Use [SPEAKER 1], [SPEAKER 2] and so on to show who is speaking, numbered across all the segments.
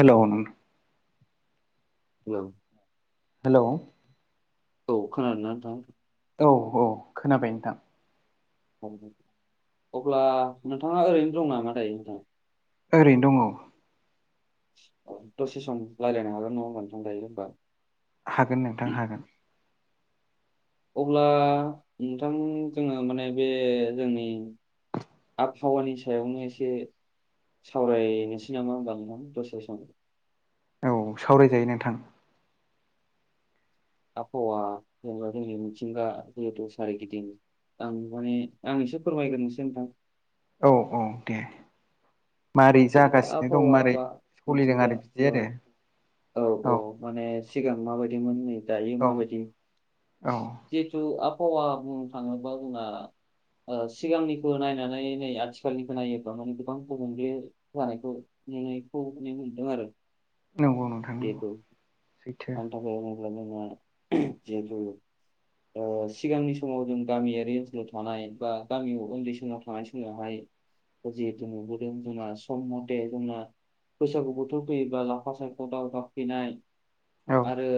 [SPEAKER 1] हेल' नोंथां
[SPEAKER 2] औ
[SPEAKER 1] हेलै
[SPEAKER 2] औ खोनादों ना नोंथां
[SPEAKER 1] औ औ खोनाबाय नोंथां
[SPEAKER 2] अब्ला नोंथाङा ओरैनो दं नामा दायो नोंथां।
[SPEAKER 1] ओरैनो दङ
[SPEAKER 2] दसे सम रायलायनो हागोन नङा होनबा नोंथां दायो होनबा
[SPEAKER 1] हागोन नोंथां हागोन।
[SPEAKER 2] अब्ला नोंथां जोङो माने बे जोंनि आबहावानि सायावनो एसे सावरायनोसै नामा होमबा नोंथां दसे सम
[SPEAKER 1] औ सावरायजायो नोंथां
[SPEAKER 2] आबहावा जेनेबा जोंनि मिथिंगा जेहेतु सारि गिदिं आं माने आं एसे फोरमायग्रोनोसै नोंथां।
[SPEAKER 1] औ औ दे मारै
[SPEAKER 2] जेनेबा
[SPEAKER 1] जागासिनो दं
[SPEAKER 2] आबहावा
[SPEAKER 1] माबारै
[SPEAKER 2] बा
[SPEAKER 1] सलिदों
[SPEAKER 2] मिथिंगा
[SPEAKER 1] आरो बिदि
[SPEAKER 2] औ
[SPEAKER 1] आरो
[SPEAKER 2] औ औ माने सिगां माबायदिमोन दायो
[SPEAKER 1] औ
[SPEAKER 2] माबायदि
[SPEAKER 1] औ
[SPEAKER 2] जिहेथु आबहावा बुंनो थाङोबा जोंना ओ सिगांनिखौ नायनानै नै आथिखालनिखौ नायोब्ला माने गोबां गुबुंले जानायखौ नुनायखौ नुनो मोनदों आरो
[SPEAKER 1] नंगौ नोंथां नंगौ
[SPEAKER 2] जेहेतु
[SPEAKER 1] सैथो
[SPEAKER 2] हान्था [unintelligible] जोंहा जिहेतु ओ सिगांनि समाव जों गामियारि ओनसोलाव थानाय बा गामियाव उन्दै समाव थानाय समावहाय जिहेतु नुबोदों जोंना सम मते जोंना बैसागु बोथोर फैयोबा लाफा सायख' ख' दाव गाबफैनाय
[SPEAKER 1] औ
[SPEAKER 2] आरो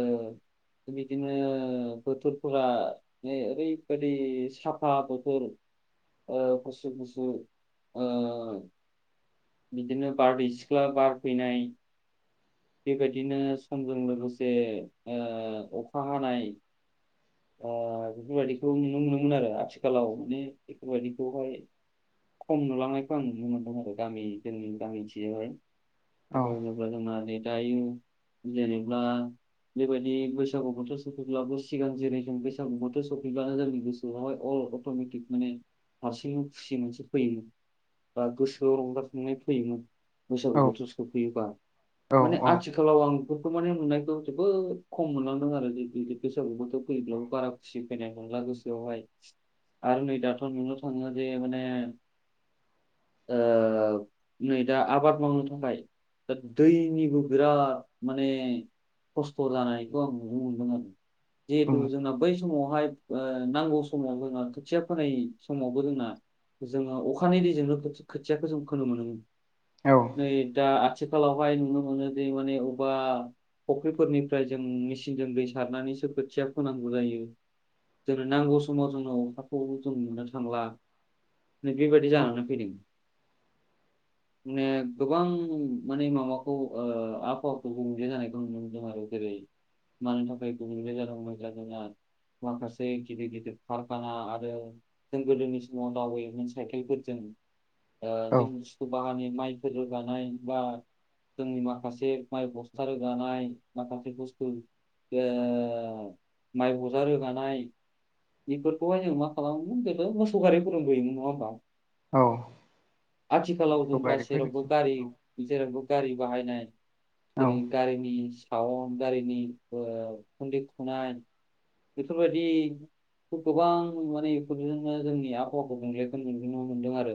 [SPEAKER 2] बिदिनो बोथोरफोरा माने ओरैबायादि साफा बथोर। ओ गुस गुसु ओ बिदिनो बारदै सिख्ला बार फैनाय बेबायदिनो समजों लोगोसे ओ अखा हानाय ओ बेफोरबायदिखौ नुनो मोनोमोन आरो आथिखालाव माने बेफोरबायदिखौहाय खम नुलांनायखौ आं नुनो मोनदों आरो गामि जोंनि गामिथिजोंहाय
[SPEAKER 1] औ
[SPEAKER 2] [unintelligible] जोंना जे दायो जेनेब्ला बेबायदि बैसागु बोथोर सफैब्लाबो सिगां जेरै जों बेैसागु बोथोर सफैब्ला जोंनि गोसोआवहाय अल अट'मेटिक माने हारसिंनो खुसि मोनसे फैयोमोन बा गोसोआव रंजाखांनाय फैयोमोन बैसागु
[SPEAKER 1] औ
[SPEAKER 2] बोथोर सफैयोबा
[SPEAKER 1] औ
[SPEAKER 2] माने
[SPEAKER 1] औ
[SPEAKER 2] आथिखालाव आं फोरखौ माने नुनायखौ जोबोद खम मोनलांदों आरो जे बि बैसागु बोथोर फैब्लाबो बारा खुसि फैनाय नुला गोसोआवहाय आरो नै दाथ' नुनो थाङो जे माने नै दा आबाद मावनो थाखाय दा दैनिबो बिराद माने खस्थ' जानायखौ आं नुनो मोनदों आरो जिहेथु
[SPEAKER 1] उम
[SPEAKER 2] जोंना बै समावहाय ओ नांगौ समावबो जोंना खोथिया फोनाय समावबो जोंना जोङो अखानि दैजोंनो खोथिक् खोथियाखो जों फोनो मोनोमोन
[SPEAKER 1] औ
[SPEAKER 2] नै दा आथिखालावहाय नुनो मोनोदि माने अबबा फुख्रिफोरनिफ्राय जों मेचनजों दै सारनानैसो खोथ खोथिया फोनांगौ जायो जोंनो नांगौ समाव जोंङो अखाखौबो जों नुनो थांला नै बेबायादि जानानै फैदों माने गोबां माने माबाखौ आबहावाखौ गुबजे जानायखौ नुनो मोनदों आरो जेरै मानो थाखाय गुबुंले जादोंं मैला जोंना माखासे गिदिर गिदिर कारखाना आरो जों गोदोनि समाव दावबायोमोन साइकेलफोरजों दा
[SPEAKER 1] औ
[SPEAKER 2] जों बांङानो माइफोर रोगानाय बा जोंनि माखासे माइ बस्था रोगानाय माखासे बुस्थु ओ माइ बजा रोगानाय निफोरखौहाय जों मा खालामोमोन बेबो मोसौ गारि फोरबो नुयोमोन नङा होमबा
[SPEAKER 1] औ
[SPEAKER 2] आथिखालाव
[SPEAKER 1] मोसौ
[SPEAKER 2] जों गासैरावबो
[SPEAKER 1] गारिफोरजोंसो
[SPEAKER 2] गारि जेरावबो गारि बाहायनाय
[SPEAKER 1] औ
[SPEAKER 2] जेरै गारिनि साउन्ड गारिनि ओ खुन्दै खुनाय बेफोरबायदि गोबां माने इफोरजोंनो जोंनि आबहावाखौ गुबुंलेखो नुनो मोनदों आरो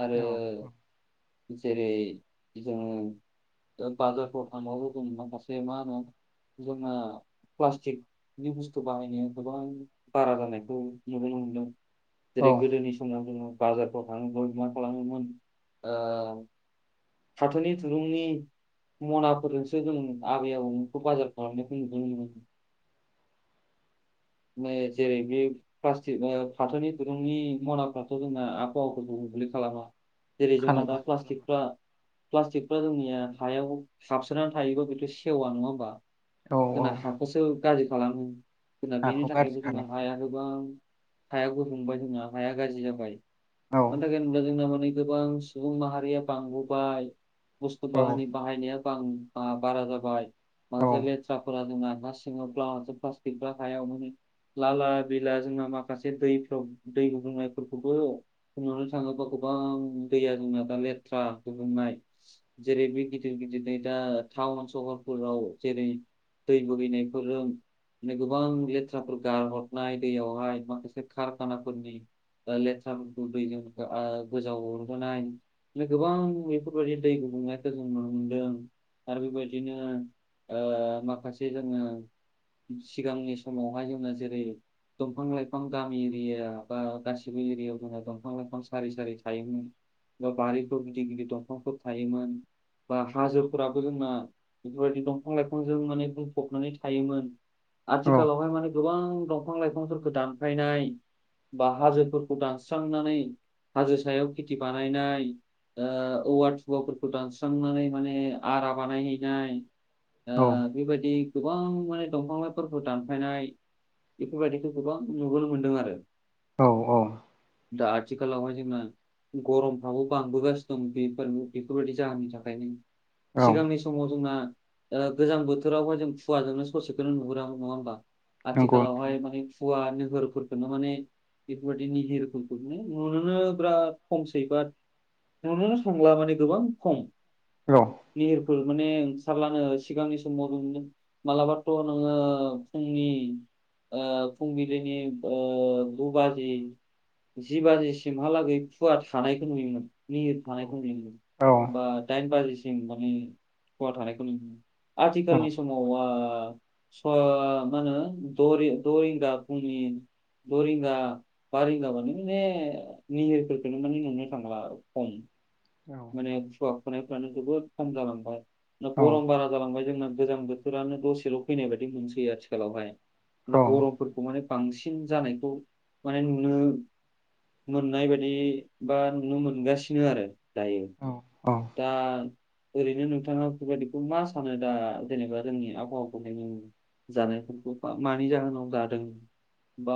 [SPEAKER 2] आरो
[SPEAKER 1] औ
[SPEAKER 2] जेरै जोङो ओ बाजारफोर थांबा लोगो मोन्नाय माखासे मा होनो जोंना प्लास्टिकनि बुस्थु बाहायनाया गोबां बारा जानायखौ नुनो मोनदों
[SPEAKER 1] औ
[SPEAKER 2] जेरै गोदोनि समाव जोङो बाजारफ्राव थाङोमोन मा खालामोमोन ओ साथोनि थुरूंनि मनाफोरजोंसो जों आबै आबौमोनखौ बाजार खालामनायखौ नुबोदोंमोन। ने जेरै बि प्लास्टिक ओ फाथोनि दिरुंनि मनाफ्राथ' जोंना आबहावाखौ गुबुंले खालामा। जेरै जोंना दा
[SPEAKER 1] खालामा खालामा
[SPEAKER 2] प्लास्टिकफ्रा प्लास्टिकफ्रा जोंनिया हायाव हाबसोना थायोबा बेथ' सेवा नङा होमबा
[SPEAKER 1] औ औ
[SPEAKER 2] जोंना हाखौसो गाज्रि खालामो जोंना बेनि
[SPEAKER 1] हाखौ गाज्रि
[SPEAKER 2] थाखायबो जोंहा
[SPEAKER 1] खालामो
[SPEAKER 2] हाया गोबां हाया गुबुंबाय जोंना हाया गाज्रि जाबाय।
[SPEAKER 1] औ
[SPEAKER 2] मानो थाखाय होनोब्ला जोंना हनै गोबां सुबुं माहारिया बांबोबाय। बस्थु बाहानि बाहायनाया बां बारा जाबाय।
[SPEAKER 1] औ
[SPEAKER 2] माखासे लेथ्राफोरा जोंङा हा सिङाव [unintelligible] प्लास्टिकफ्रा हायावनो लाला बिला जोंना माखासे दैफ्राव दै गुबुंनायफोरखौबो बुंनो थाङोबा गोबां दैया जोंना दा लेथ्रा गुबुंनाय जेरै बे गिदिर-गिदिर नै दा टाउन सहरफोराव जेरै दै बुगैनायफोरो नै गोबां लेथ जाबोर गारहरनाय दैयावहाय माखासे कारखानाफोरनि जा लेथ्राफोरखौ दैजों गोजाव हरहोनाय नो गोबां बेफोरबायदि दै गुंनायखौ जों नुनो मोनदों। आरो बेबायदिनो ओ माखासे जोङो सिगांनि समावहाय जोंङो जेरै दंफां लाइफां गामि एरियाबा गासिबो एरियाव जोंहा दंफां लाइफां सारि-सारि थायोमोन। बा बारिफोर गिदिर-गिदिर दंफांफोर थायोमोन बा हाजोफोराबो जोंना बेफोरबायदि दंफां लाइफांजों माने बुंफबनानै थायोमोन।
[SPEAKER 1] औ
[SPEAKER 2] आथिखालावहाय माने गोबां दंफां लाइफांफोरखौ दानफायनाय बा हाजोफोरखौ दानस्रांनानै हाजो सायाव खेथि बानायनाय ओ औवा थुवाफोरखौ दानस्रांनानै माने आरा बानायहैनाय। ओ बेबायदि गोबां माने दंफांला फोरखौ दान फायनाय बेफोरबायदिखौ गोबां नुुबोनो मोनदों आरो।
[SPEAKER 1] औ-औ
[SPEAKER 2] दा आथिखालावहाय जोङो गरमफ्राबो बांबोगासिनो दं बेफोर-बेफोरबायदि जाहोननि थाखायनो।
[SPEAKER 1] औ
[SPEAKER 2] सिगांनि समाव जोंना ओ गोजां बोथोरावहाय जों खुवाजोंनो ससेखौनो नुहुरामोन नङा होमबा?
[SPEAKER 1] नंगौ नोंथां
[SPEAKER 2] आथिखालावहाय
[SPEAKER 1] नंगौ
[SPEAKER 2] माने खुवा निहोरफोरखौनो माने बेफोरबायदि निहिर फोरखोमखौनो नुुनोनो बिराद खमसै बाद नुनोनो थांला माने गोबां खम।
[SPEAKER 1] हेल'
[SPEAKER 2] निहिरफोर माने ओंखारलानो सिगांनि समाव मोनदों मालाबाथ' नोङो फुंनि ओ फुंबिलिनि ओ गु बाजि जि बाजिसिमहालागै खुवा थानायखौ नुयोमोन निहिर थानायखौ नुयो
[SPEAKER 1] औ
[SPEAKER 2] बा दाइन बाजिसिम माने खुवा थानायखौ नुयोमोन।
[SPEAKER 1] औ
[SPEAKER 2] आथिखालनि समावहा स मानो द दरिंगा फुंनि द रिंगा बा रिंगाबानो माने निहिरफोरखौनो नों नुनो थांला आरो खम।
[SPEAKER 1] [inaudible]
[SPEAKER 2] माने खुवा खुनायफ्रानो जोबोद खम जालांबाय
[SPEAKER 1] औ
[SPEAKER 2] गरम बारा जालांबाय जोंना गोजां बोथोरन फोरानो दसेल' फैनाय बायदि मोनसै आथिखालावहाय गरमफोरखौ माने बांसिन जानायखौ माने नुनो मोननाय बायदि बा नुनो मोनगासिनो आरो दायो।
[SPEAKER 1] औ
[SPEAKER 2] दा ओरैनो नोंथाङा [unintelligible] मा सानो दा जेनेबा जोंनि आबहावाखौ [unintelligible] जानायफोरखौ बा मानि जाहोनाव जादों बा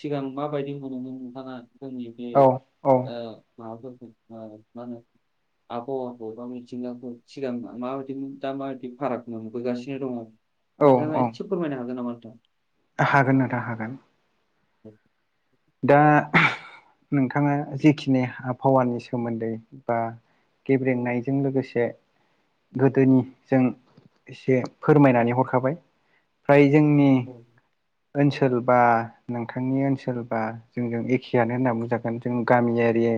[SPEAKER 2] सिगां माबायदि मोनोमोन नों नोंथाङा जोंनि बे
[SPEAKER 1] औ
[SPEAKER 2] ओ माबाफोरखौ ओ मा होनो? आबहावाखौ बा मिथिंगाखौ सिगां माबायदि दा माबायदि फाराग नुबोगासिनो दङ नोंथांआ इसे फोरमायनो हागोन नामा मोनथां?
[SPEAKER 1] हागोन नोंथां हागोन।
[SPEAKER 2] औ
[SPEAKER 1] दा नोंथाङा जिखिनि हाब भावारानि सोमोन्दै बा गेब्रेंनायजों लोगोसे गोदोनि जों एसे फोरमायनानै हरखाबाय फ्राय जोंनि
[SPEAKER 2] औ
[SPEAKER 1] ओनसोल बा नोंथांनि ओनसोल बा जोंजों एखेयानो होनना बुंजागोन जों गामियारि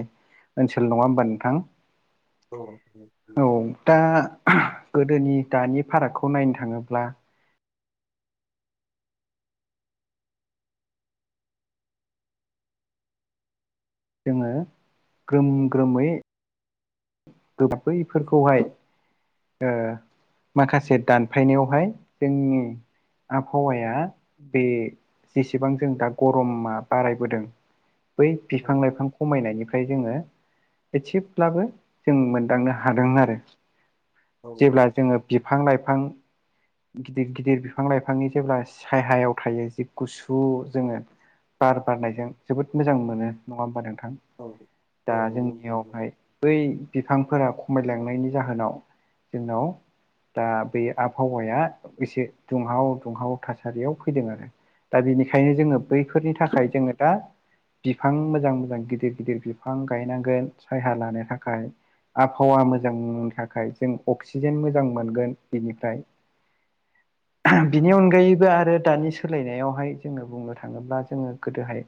[SPEAKER 1] ओनसोल नङा होमबा नोंथां?
[SPEAKER 2] औ
[SPEAKER 1] औ दा गोदोनि दानि फारागखौ नायनो थाङोब्ला जोङो ग्रोम ग्रोमै बैफोरखौहाय ओ माखासे दानफायनायावहाय जोंनि आबहावाया बे जेसेबां जों दा गरमा बारायबोदों बै
[SPEAKER 2] औ
[SPEAKER 1] बिफां लाइफां खमायनायनिफ्राय जोङो एसेब्लाबो जों मोनदांनो हादों आरो जेब्ला जोङो बिफां लाइफां गिदिर गिदिर बिफां लाइफांनि जेब्ला सायहायाव थायो जि गुसु जोङो बार बारनायजों जोबोद मोजां मोनो नङा होमबा नोंथां।
[SPEAKER 2] औ
[SPEAKER 1] दा
[SPEAKER 2] औ
[SPEAKER 1] जोंनियावहाय बै बिफांफोरा खमायलांनायनि जाहोनाव जोंनाव दा बे आबहावाया एसे दुंहाव दुंहाव थासारियाव फैदों आरो। दा बिनिखायनो जोङो बैफोरनि थाखाय जोङो दा बिफां मोजां मोजां गिदिर गिदिर बिफां गायनांगोन सायहा लानो थाखाय। आबहावा
[SPEAKER 2] औ
[SPEAKER 1] मोजांनो थाखाय जों अक्सिजेन मोजां मोनगोन बेनिफ्राय। बिनि अनगायैबो आरो दानि सोलायनायावहाय जोङो बुंनो थाङो। ङोब्ला जोङो गोदोहाय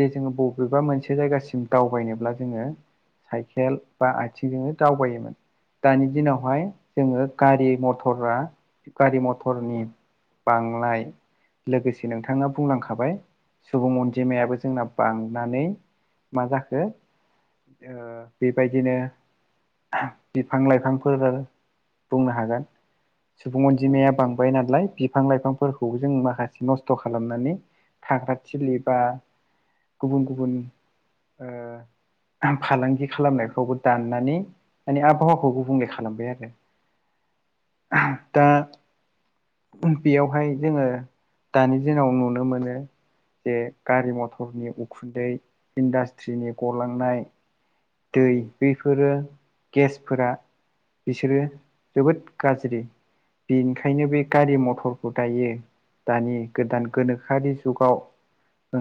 [SPEAKER 1] जे जोङो बबेबा मोनसे जायगासिम दावबायनोब्ला जोङो साइकेल बा आइथिंजोंनो दावबायोमोन। दानि दिनावहाय जोङो गारि मथरा गारि मथरनि बांनाय लोगोसे नोंथाङा बुंलांखाबाय सुबुं अनजिमायाबो जोंना बांनानै मा जाखो? जोओ बेबायदिनो बिफां लाइफांफोर बुंनो हागोन सुबुं
[SPEAKER 2] औ
[SPEAKER 1] अनजिमाया बां बाय नालाय बिफां लाइफांफोरखौबो जों माखासे नस्थ' खालामनानै थाग्रा थिलि बा गुबुन गुबुन ओ फालांगि खालामनायफ्रावबो दाननानै माने आबहावाखौ गुबुंले खालामबाय आरो। दा बेयावहाय जोङो दानि दिनाव नुनो मोनो जे गारि मथरनि उखुन्दै इन्डास्ट्रिनि गलांनाय। दै
[SPEAKER 2] नंगौ
[SPEAKER 1] बेफोरो गेसफोरा बिसोरो जोबोद गाज्रि। बेनिखायनो बे गारि मथरखौ दायो दानि गोदान गोनोखोआरि जुगाव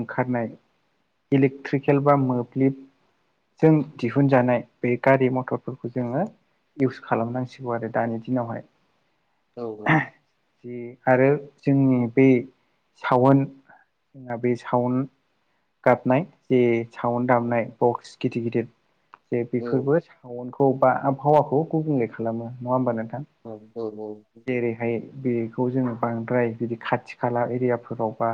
[SPEAKER 1] ओंखारनाय इलेकट्रिकेल बा मोब्लिब जों दिहुनजानाय बे गारि मथरफोरखौ जोङो इउस खालामनांसिगौ आरो दानि दिनावहाय।
[SPEAKER 2] औ औ
[SPEAKER 1] जि आरो जोंनि बे सावन जोंहा बे सावन गाबनाय जे साउन दामनाय
[SPEAKER 2] नंगौ
[SPEAKER 1] बक्स गिदिर गिदिर जे
[SPEAKER 2] औ
[SPEAKER 1] बेफोरबो [unintelligible] खौ बा आबहावाखौ गुबुंले खालामो नंङा होमबा नोंथां?
[SPEAKER 2] औ औ
[SPEAKER 1] जेरैहाय बेखौ जोंङो बांद्राय बिदि खाथि खाला एरियाफोरावबा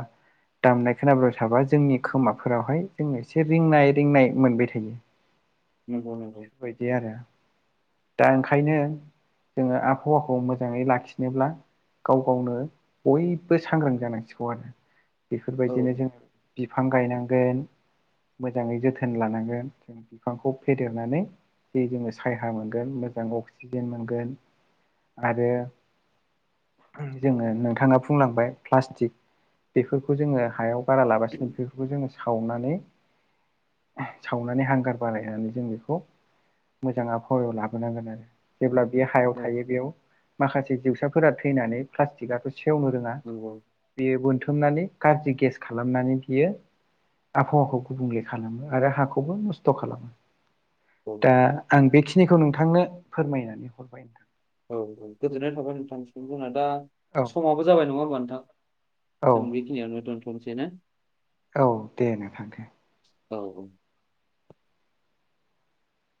[SPEAKER 1] दामनाय खोनाबाय थाबा जोंनि खोमाफोरावहाय जों एसे रिंनाय रिंनाय मोनबाय थायो।
[SPEAKER 2] नंगौ नंगौ
[SPEAKER 1] बेबायदि आरो दा ओंखायनो जोङो आबहावाखौ मोजांङै लाखिनोब्ला? गाव गावनो बयबो सांग्रां जानांसिगौ आरो।
[SPEAKER 2] औ
[SPEAKER 1] बेफोरबायदिनो जों बिफां गायनांगोन मोजांङै जोथोन लानांगोन। जों बिफांखौ फेदेरनानै जे जोंङो सायहा मोनगोन मोजां अक्सिजेन मोनगोन आरो जोङो नोंथांङा बुंलांबाय प्लास्टिक बेफोरखौ जोंङो हायाव बारा लागासिनो बेफोरखौ जोंङो सावनानै सावनानै हांगार बारायनानै जों बेखौ मोजां आबहावायाव लाबोनांगोन आरो। जेब्ला बे हायाव थायो बेयाव माखासे जिउसाफोरा थैनानै प्लास्टिकआथ' सेवनो रोंङा बेयो बोनथुमनानै गाज्रि गेस खालामनानै बियो आबहावाखौ गुबुंले खालामो आरो हाखौबो नस्थ' खालामो
[SPEAKER 2] औ
[SPEAKER 1] दा आं बेखिनिखौ नोंथांनो फोरमायनानै हरबाय।
[SPEAKER 2] औ औ गोजोननाय थाबाय नोंथांनिसिम जोंना दा
[SPEAKER 1] औ
[SPEAKER 2] समाबो जाबाय नंङा होमबा नोंथां?
[SPEAKER 1] औ
[SPEAKER 2] जों बेखिनिआवनो दोनथ'नोसैना?
[SPEAKER 1] औ दे नोंथां दे
[SPEAKER 2] औ औ